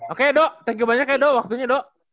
oke do thank you banyak ya do waktunya do